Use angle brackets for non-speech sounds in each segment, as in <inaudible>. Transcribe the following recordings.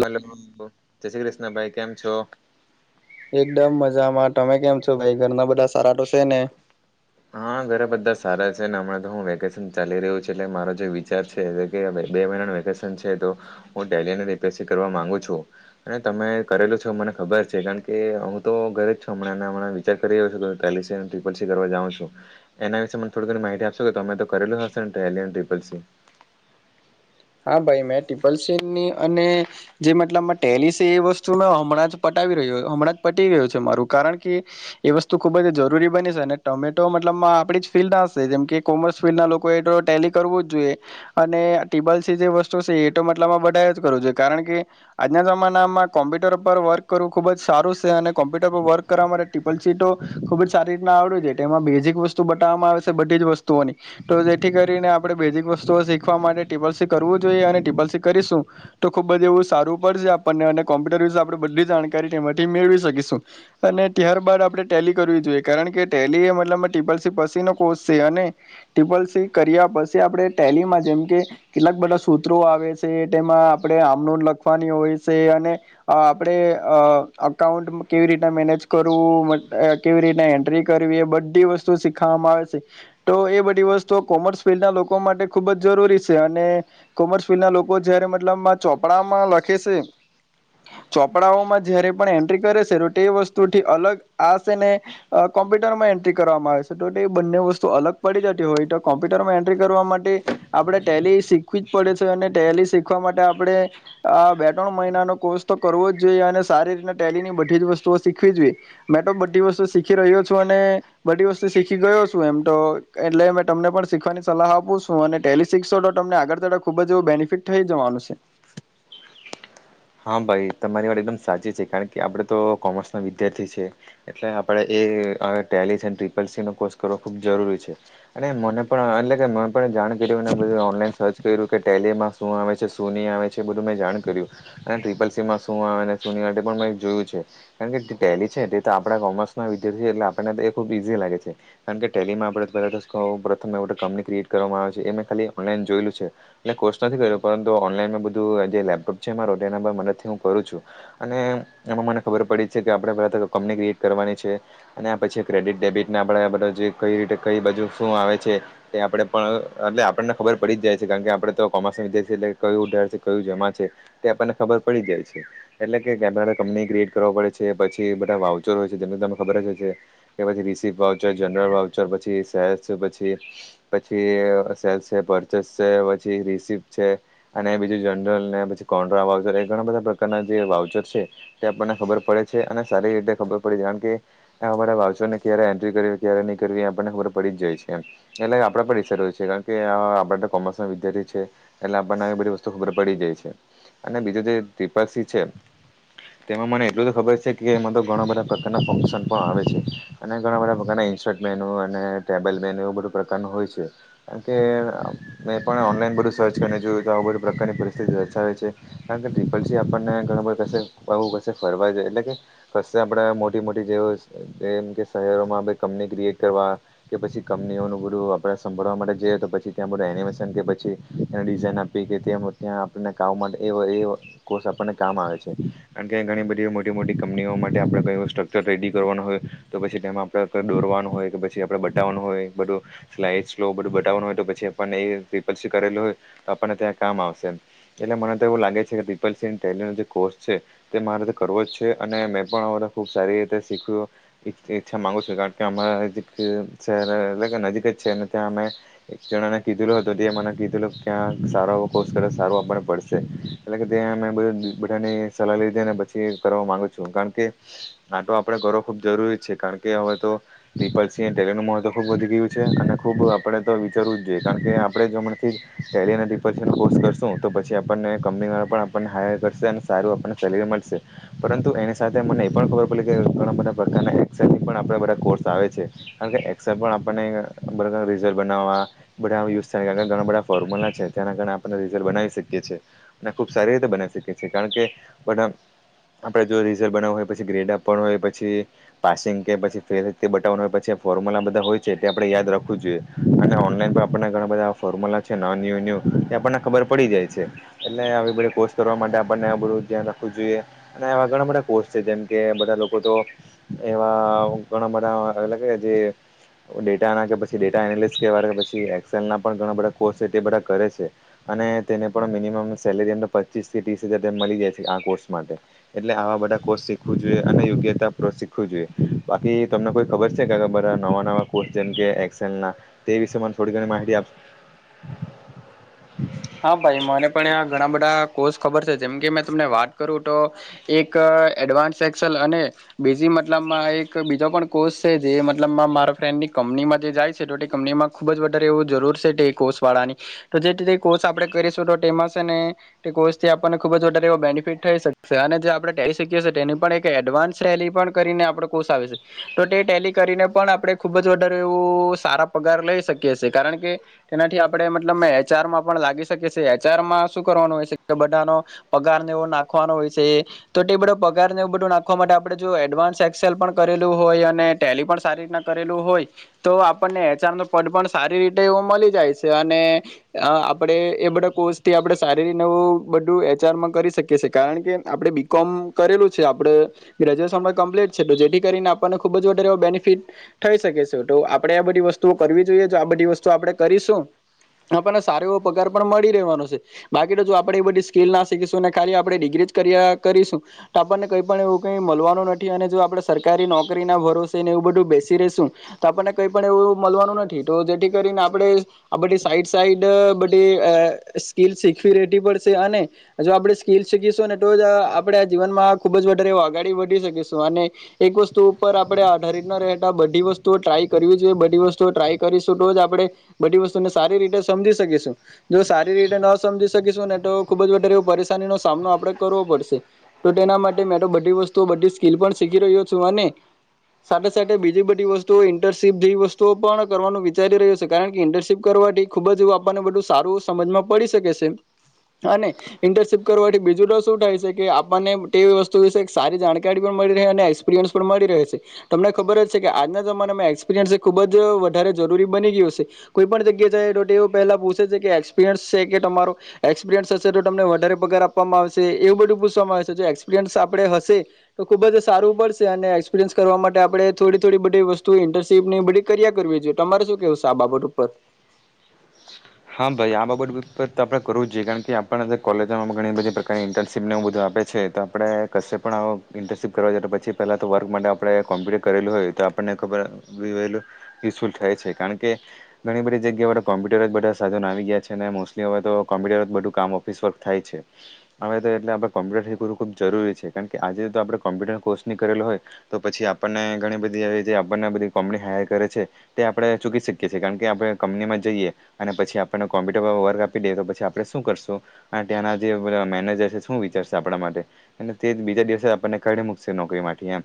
Hello જ શ્રી કૃષ્ણભાઈ કેમ છો? એકદમ મજામાં તમે કેમ છો ભાઈ ઘરના બધા સારા તો છે ને? હા ઘરે બધા સારા છે ને હમણાં તો હું વેકેશન ચાલી રહ્યું છ એટલે મારો જે વિચાર છે એ કે બે મહિનાનું વેકેશ છે તો હું ટેલી રીપીએ કરવા માંગુ છું અને તમે કરેલું છે ને ખબર છે કારણ કે હું તો ઘરે જ છું હમણા હમ વિચાર કરી રહ્યો છું કે ટેલિસી અને ટ્રીપલસી કરવા જાઉં છું. એના વિશે મને થોડી ઘ માહિતી આપશો કે તમે તો કરેલું હશે ને ટેલિસી અને ટ્રીપલસી? હા ભાઈ મેં ટિપલ સનની અને જે મતલબમાં ટેલિસે એ વસ્તુ હમણાં જ પટાવી રહ્યો હમણાં જ પટી ગયો છે. મારું કામ કારણ કે એ વસ્તુ ખુબ જ જરૂરી બની છે અને ટોમેટો મતલબ આપડી જ ફીલ્ડ નાશે જેમ કે કોમર્સ ફિલ્ડના લોકો ટેલી કરવું જ જોઈએ અને ટીબલ સી વસ્તુ છે એ મતલબમાં બધા જ કરું જોઈએ કારણ કે આજના જમાનામાં કોમ્પ્યુટર પર વર્ક કરવું ખુબ જ સારું છે અને કોમ્પ્યુટર પર વર્ક કરવા માટે ટિપલસી તો ખુબ જ સારી રીતના આવડવું તેમાં બીજી વસ્તુ બતાવામાં આવે છે બધી જ વસ્તુઓની. તો જેથી કરીને આપણે બેઝિક વસ્તુઓ શીખવા માટે ટીબલસી કરવું જોઈએ અને ટીપલસી કરીશું તો ખુબ બધ એવું સારું પડશે આપણને અને કોમ્પ્યુટર વિશે આપણે બઘી જાણકારી થી મેળવી શકીશું અને ત્યારબદ આપણે ટેલી કરવી જોઈએ કારણ કે ટેલી મતલબમાં ટી બલસી પછી નો કોષ છે અને ટિપલ સી કર્યા પછી આપણે ટેલીમાં જેમ કે કેટલાક બધા સૂત્રો આવે છે તેમાં આપણે આમનો લખવાની હોય છે અને આપણે અકાઉન્ટ કેવી રીના મેનેજ કરું કેવી રી એન્ટ્રી કરવી એ બધી વસ્તુ શીખવામાં આવે છે. તો એ બધી વસ્તુઓ કોમર્સ ફિલ્ડના લોકો માટે ખુબ જ જરૂરી છે. અને કોમર્સ ફિલ્ડ ના લોકો જયારે મતલબ ચોપડામાં લખે સે ચોપડાઓમાં જયારે પણ એન્ટ્રી કરે છે તો તે વસ્તુથી અલગ આશે ને કોમ્પ્યુટરમાં એન્ટ્રી કરવામાં આવે છે. તોટ એ બંને વસ્તુ અલગ પડી જતી હોય. તો કોમ્પ્યુટરમાં એન્ટ્રી કરવા માટે આપડે ટેલી શીખવી જ પડે છે અને ટેલી શીખવા માટે આપડણે આ બે ત્રણ મહિનાનો કોર્સ તો કરવો જોઈએ અને સારી રીતના ટેલીની બધી જ વસ્તુઓ શીખવી જોઈએ. મેં તો બધી વસ્તુ શીખી રહ્યો છું અને બધી વસ્તુ શીખી ગયો છું. એમ તો એટલે મે તમને પણ શીખવાની સલાહ આપું છું અને ટેલીસ શીખશો ડોટ અમને આગળ ખુબ જ એવું બેનિફિટ થઈ જવાનું છે. હા ભાઈ તમારી વાત એકદમ સાચી છે કારણ કે આપડે તો કોમર્સ ના વિદ્યાર્થી છે એટલે આપણે ટેલી અને ટ્રીપલસી નો કોર્સ કરવો ખબ જરૂરી છે અને મને પણ એટલે કે જાણ કર અને બધ ઓનલાઈન સર્ચ કર્યું કે ટેલીમાં શું આવે છે શું નહી આવે છે એ બધું મેં જાણ કર્યું. અને ટ્રિપલ સીમાં શું આવે શું પણ જોયું છે કારણ કે ટેલી છે તે તો આપણા કોમર્સના વિ ધાર્થી એટલે આપને ખબ ઈઝી લાગે છે કારણ કે ટેલીમાં આપ કંપની ક્રએટ કરવામાં આવે પછી એમે ખાલી ઑનલઈન જોયેલું છે એટલે કોર્સ નથી કઈરો પરંતુ ઓનલાઇનમાં જે બાદુ લેપટોપ છે મારો એના પર મદદથી હું કરું છું અને એમાં મને ખબર પડી છે કે આપણે બધ તો કંપની ક્રિએટ કરવાની છે અને આ પછી ક્રેડિટ ડેબિટ આપડેધ જે કઈ રીતે કઈ બાજુ શું આવે છે તે આપડે પણ એટલે આપણને ખબર પડી જાય છે કારણ કે આપડે તો કોમર્સ વિદ્યાર્થી એટલે કયું ઉાર છે કયું જમા છે. તે આપણને ખબર પડી જાય છે, એટલે કે કંપની ક્રિએટ કરવા પડે છે, પછી બધા વાઉચર હોય છે, જે ત ખબર જ હ કે પછ રીસી જનરલ વ પછી સે પછ પછી સેલ્સ છે, પરચેસ છે પછી રિસીપ છે, અને બીજું જનરલ ને પછી કોડ્ર વાઉઝર એ ઘણા બધા પ્રકારના જે વાઉઝર છે, તે આપણને ખબર પડે છે, અને સારી રીતે ખબર પડે છે. અમા વાને ક્યારે એ ક્યારે નહીવી આપણને ખબર પડી જ જાય છે, એટલે આપ પડીસ છે, કારણ કે આ આપ કોમર્સ ના વિદ્યાર્થી છે, એટલે આપણને બધી વસ્તુ ખબર પડી જાય છે. અને બીજો જે દ્િપાક્ષી છે. તેમાં મને એટલું તો ખબર છે, કે તો ઘણા બધા પ્રકારના ફંક્શન પણ આવે છે, અને ઘણા બધા પ્રકારના ઈનશર્ટ મેનુ અને ટેબલ મેનુ એવું બધું પ્રકારનું હોય છે કારણ કે મે પણ ઓનલા ઈન બધુ સર્ચ કરને જોયું તો આવુ બધુ પ્રકારની પરસ્થિતિ દર્શાવે છે. કારણ કે ટ્રી પલસી આપણને ઘણા બધા કશે આવું કશે ફરવા જાય એટલે કે કશે આપણે મોટી મોટી જે એમ કે શહેરોમાં બી કંપની ક્રિએટ કરવા કે પછી કંપનીઓનું પૂરું આપણા સાભળવા માટે જઈ તો પછી ત્યાં બધા એનિમેશન કે પછી એને ડિઝાઇન આપી કે ત્યાં આપને કામ માટે એવ કોર્ષ આપણને કામ આવે છે કારણ કે ઘણી બધી મોટી મોટી કંપનીઓ માટે આપણે કંઈ સ્ટ્રકચર રેડી કરવાનું હોય તો પછી તેમાં આપણે દોરવાનું હોય કે પછી આપણેે બતાવવાનું હોય બધું લાઈટ સ્લો બધું બતાવવાનું હોય તો પછી આપણને એ ટ્રીપલ સી કરેલું હોય તો આપણને ત્યાં કામ આવશે એમ એટલે મને તો એવું લાગે છે, કે ટ્રીપલ સી ટ્રેનયુઅલ જે કોર્સ છે, તે મારે કરવો જ છે, અને મેં પણ અવે તો ખૂબ સારી રીતે શીખું ઈચ્છા માંગું છું કારણ કે અમારા શહેર એટલે કે નજીક જ છે અને ત્યાં અમે એક જણાને કીધેલું હતુ તે મને કીધુંલુ કયાં સારો કોર્સ કરે સારું આપણે પડશે એટલે કે ત્યા અમે બધ બધાની સલાહ લીધી પછી કરવા માંગુ છું કારણ કે નાટો આપડે ગરો ખુબ જરૂરી છે, કારણ કે હવે તો પીપલસિંહ એ ટેલીનું મહત્વ ખુબ વધી ગયું છે. ને ખુબ આપણે તો વિચારવું જ જોઈએ કારણ કે આપણે જો અમણાથી જ ટેલી અને ટ્રીપલ સી નો કોર્સ કરશું તો પ છી આપણને કંપની વાળા આપણને હાયર કરશે અને સારું આપણને સેલરી મળશે પરંતુ એની સાથે મને એ પણ ખબર પલી કે ઘણા બધા પ્રકારના એકસલ સીટ આપણે બધા કોર્સ આવે છે, કારણ કે એકસે પણ આપણને પ્રકાર રિઝલ્ટ બનાવવા બધા યુઝ થાય ઘણા બધા ફર્મ્યુલા છે, તેના કારણે આપણે રિઝલ બનાવી શક કીએ છે, ને ખુબ સારી રીતે બનાવી શકીએ છે, કારણ કે બધા આપડે જો રિઝલ્ટ બનાવું હોય પછી ગ્રેડ આપાનુ હોય પછી પાસિંગ કે પછી ફેલ તે બતાવાનુ હોય પછી ફોર્મ્યુલા બધા હોય છે, તે આપણે યાદ રાખવું જોઈએ અને ઓનલાઈન પણ આપણને ઘણા બધા ફોર્મ્યુલા છે, ન ન્યુ ન્યુ તે આપણને ખબર પડી જાય છે, એટલે આવી બધા કોસ કરવા માટે આપણને આ બધું ધ્યાન રાખવું જોઈએ અને એવા ઘણા બધા કોર્સ છે, જેમ કે બધા લોકો તો એવા ઘણા બધા એટલે કે જે ડેટા ના કે પછી ડેટા એનાલિસ કે વાળુ પછી એક્સેલ ના પણ ઘણા બધા કોર્સ છે, તે બધા કરે છે, અને તેને પણ મિનિમમ સેલેરીયન પચીસથી ત્રીસ હજાર મલી જાય છે, આ કોર્સ માટે એટલે આવા બધા કોર્સ શીખવું જોઈએ અને યોગ્યતા પ્ર શીખવું જોઈએ બાકી તમને કોઈ ખબર છે, કે બધા નવા નવા જેમ કે એક્સેલના તે વિષેમાં થોડી ઘણી માહિતી આપ હા. ભાઈ મને પણ આ ઘણા બધા કોષ ખબર છે, જેમ કે મે તમને વાત કરું તો એક એડ વાન્સ સેક્સલ અને બીજી મતલબમાં એક બીજો પણ કોર્સ છે, જે મતલબમાં મારા ફ્રેન્ડની કં પનીમાં જાય છે, તો કંપનીમાં ખુબ જ વધારે એવું જરૂર છે, તે કોષ વાળાની તો જે કોર્સ આપણે કરીશું તો તેમાં શેને તે કોર્સથી આપણને ખુબજ વધારે એવો બેનિફિટ થઈ શકશે અને જે આપણે ટે કરી શકીએ છે, તેનો પણ એક એડવાન્સ રેલી પણ કરીને આપણે કોર્સ આવે છે, તો તે ટેલી કરીને પણ આપણે ખૂબ જ વધારે એવું સારા પગાર લઈ શકીએ છે, કારણ કે તેનાથી આપણે મતલબ મે એચઆરમાં પણ લાગી શકે છે, એચારમાં શું કરવાનું હોય છે, કે બધાનો પગારને એવો નાખવાનો હોય છે. તે બધો પગાર ને એવું બધું નાખવા માટે આપણે જોયું એડવાન્સ એક્સેલ પણ કરેલું હોય અને ટેલી પણ સારી રીતના કરે લુ હોય તો આપણને એચઆરનો પડ પણ સારી રીતે એવો મલી જાય છે, અને આપણે એ બધા કોર્સથી આપણે સારી રીતને એવું બધું એચઆરમાં કરી શકીએ છીએ કારણ કે આપણે બી કોમ કરેલું છે, આપણે ગ્રેજ્યુશન કમ્પ્લીટ છે, તો જેથી કરીને આપણને ખુબ જ વધારે એવો બેનિફિટ થાય શકીશું તો આપણેે આ બધી વસ્તુઓ કરવી જોઈએ જો આ બધી વસ્તુ આપણે કરીશું આપણને સારો એવો પગાર પણ મળી રહેવાનો છે, બાકી તો જો આપણેે એ બધી સ્કીલ ના શીખીશું અને ખાલી આપણે ડિગ્રી જ કર્યા કરીશું તો આપણને કંઈ પણ એવું કઈ મલવાનું નથી અને જો આપડે સરકારી નોકરી ના ભરોસે ને એવું બધું બેસી રેશું તો આપણને કઈ એવું મળવાનું નથી તો જેથી કરીને આપણે આ બધી સાઈડ સાઈડ સ્કીલ શીખવી રહેતી પડશે અને જો આપણે સ્કીલ શીખીશુંને તો જ આપડે જીવનમાં ખુબ જ વધારે અગાડી વધી શકીશું અને એક વસ્તુ ઉપર આપડે આધારિત ના રહેતા બધી વ તુ ટ્રાય કરવી જોઈએ બધી વસ્તુઓ ટ્રાય કરીશું તો જ આપણે બધી વસ્તુને સારી રીતે સમજી શકીશું. જો સારી રીતે ન સમજી શકીશું ને તો ખુબ જ વધારે એવો પરેશાની નો સામનો આપડણે કરવો પડશે તો તેના માટે મેં તો બધી વસ્તુઓ બધી સ્કીલ પણ શીખી રહ્યો છું અને સાથે સાથે બીજી બધી વસ્તુઓ ઇન્ટરર્શીપ જેવી વસ્તુઓ પણ કરવાનું વિચારી રહ્યું છે કારણ કે ઇન્ટરર્શીપ કરવા. ખુબ જ એવું આપણને બધું સારું સમજમાં પડી શકે છે. અને ઇન્ટરશીપ કરવાથી બીજું તો શું થાય છે કે આપણને તે વસ્તુ વિશે સારી જાણકારી પણ મળે એક્પિરયન્સ પણ મળી રહે છે તમને ખબર જ છે કે આજના જમાનામાં એક્સપિરિયન્સ એ ખુબ જ વધારે જરૂરી બની ગીયું છે કોઈ પણ જગ્યા જાય ટો તેઓ પહેલા પૂછ <inaudible> એક્સપિરિયન્સ સે કે તમારો? એક્સપિરિયન્સ હશે તો તમને વધારે પગાર આપવામાં આવશે એવું બધું પૂછવામાં એક્સપિરયન્સ આપણે હશે તો ખુબ જ સારું પડશે અને એક્સપિરિયન્સ કરવા માટે આપણે થોડી થોડી બધી વસ્તુ ઇન્ટરશીપ બધી કર્યા કરવી જોઈએ, તમારે શું કેવું છે આ બાબત ઉપર? હા ભાઈ આ બાબત તો આપણે કરવું જ જોઈએ કારણ કે આપણ કોલેજોમાં ઘણી બધી પ્રકારની ઇન્ટર્નશીપને એવું બધું આપે છે. છે તો આપણે કશે પણ આવ ઇન્ટર્નશીપ કરવા જાએ તો પછી પહેલાં તો વર્ક માટે આપણે કોમ્પ્યુટર કરેલું હોય તો આપણને ખબર <inaudible> યુઝફુલ થાય છે કારણ કે ઘણી બધી જગ્યાવાળા કોમ્પ્યુ બધા સાધનો આવી ગયા છે અને મોસ્ટલી હવે તો કોમ્પ્યુટર બધું કામ ઓફિસ વર્ક થાય છે હવે તો. આપણે કોમ્પ્યુટર શીખવું ખબ જરૂરી છે કારણ કે આજે તો આપણે કોમ્પ્યુટર કોર્સ ની કરેલો હોય તો પછી આપણને. બધી <unintelligible> જે આપણને બધી કંપણી હાયર કરે છે, તે આપણે ચૂકી શકીએ છે, કારણ કે આપણે કંપનીમાં જઈએ અને પછી આપણને કોમ્પ્યુટર પર વર્ક આપી દે તો પછી આપડે શું કરશું? આ ત્યાંના જે બધા મેનેજર છે શું હુ વિચારસે આપડા માટે અને તે બીજા દિવસે આપણને કાઢી મૂકશે નોકરી માથી એમ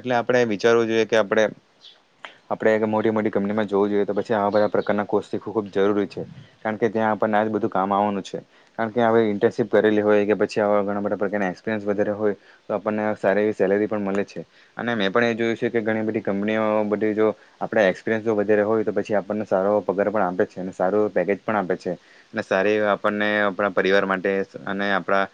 એટલે આપણે વિચારુ <inaudible> આપડે આપડે મોટી મોટી કંપનીમાં જોવું જોઈએ તો પછી આ બધા પ્રકારના કોષથી ખુ જરૂરી છે. કારણ કે ત્યાં આપણને જરૂરી છે, કારણ કે ત્યાં આપણને આ જ બધું કામ આવવાનું છે, કારણ કે અવે ઈન્ટર્શીપ કરેલી હોય કે પછી ઘણા બધા પ્રકારના એક્સપિરિયન્સ વધારે હોય તો આપણને સારી એવી સેલેરી પણ મલે છે, અને મેં પણ એ જોયું છે. કે ઘણી બધી કંપનીઓ બધી જો આપડે એક્સપિરિયન્સ જો વધારે હોય તો પછી આપણને સારો એવો પગાર પણ આપે છે. અને સારું પેકેજ પણ આપે છે. અને સારી આપણને આપણા પરિવાર માટે અને આપણા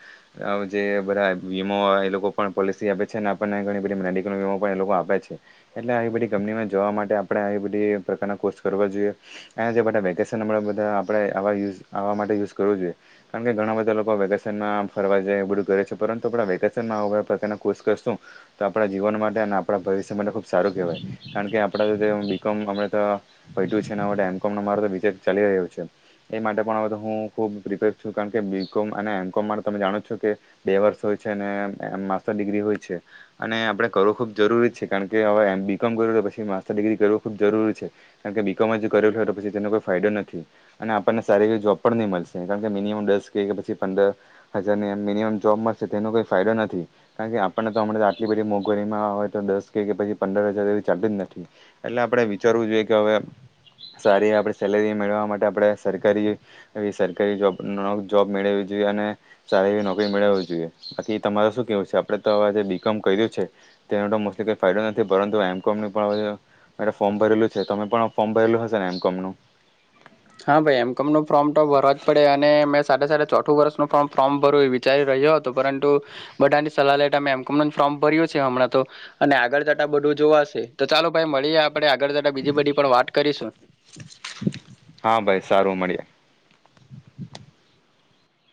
જે બધા વીમો એ લોકો પણ પોલિસી આપે છે ને આપને ઘણી બધી મેડિકલ વીમો પણ એ લોકો આપે છે, એટલે આવી બધી કંપનીમાં જોવા માટે આપડે આવી બધી પ્રકારના કોર્સ કરવા જોઈએ, આ જે બધા વેકેશનં બધા આપણે આવા યુઝ આવા માટે યુઝ કરવું જોઈએ. કારણ કે ઘણા બધા લોકો વેકેશનમાં ફરવા જાય બધું કરે છે પરંતુ વેકેશનમાં <unintelligible> ખુશ કરશું તો આપણા જીવન માટે અને આપણા ભવિષ્ય મને ખુબ સારું કહેવાય કારણ કે આપડા <inaudible> બીકોમ અમણેતો પયતુ છે ને હવે તો એમ કોમ નો મારો તો વિ જે ચાલી રહ્યું છે, એ માટે પણ અવેતો હું ખૂબ પ્રિપેર છું કારણ કે બી કોમ અને એમ કોમ માટે તમે જાણો જો કે બે વર્ષ હોય છે માસ્ટર ડિગ્રી હોય છે, અને આપડે કરવું ખૂબ જરૂરી છે કાર કે અવે એમ બીકોમ કરવું કે પછી માસ્ટર ડિગ્રી કરવું ખુબ જરૂરી છે, કારણ કે બીકોમ જ કરેલું હોય તો પછી તેનો કોઈ ફાયદો નથી. અને આપણને સારી એવી જોબ પણ ની મળશે કારણ કે મિનિમમ દસ કે પછી પંદર હજારની મિનિમમ જોબ મળશે તેનો કોઈ ફાયદો નથી. કારણ કે આપણને અમણેતો આટલી બધી મોં <unintelligible> તો દસ કેય પછી પંદર હજાર એવી ચાલતી જ નથી. એટલે આપણે વિચારવું જોઈએ કે અવે સારી આપડે સેલેરી મેળવવા માટે આપણે સરકારી સરકારી જોબ ન જોબ મેળવી જોઈએ અને સારી એવી નોકરી મેળવવી જોઈએ. આથી તમારે શું કેહવું છે? આપણે તો આવે જે બી કોમ કર્યું છે. તેનું તો મોસ્ટલી ફાયદો નથી પરંતુ એમ કોમ પણ અવેતો મેંતો ફોર્મ ભરેલું છે તમે પણ ફોર્મ ભરેલું હશે ને એમ કોમનું? હા ભાઈ એમ કોમ નું ફોર્મ તો ભરવા જ પડે અને મેં સાથે સાથે ચોથું વર્ષનું ફોર્મ ભરૂ એવું વિચારી રહ્યો હતું પરંતુ બધાની સલાહ લેતા એમ કોમનું જ ફોર્મ ભર્યું છે અમણાં તો. અને આગળ જતાં બધું જ જોવાશે તો ચાલો ભાઈ મળીએ આપણે આગળ જતા બીજી બધી પણ વાત કરીશું. હા ભાઈ સારું મળીએ.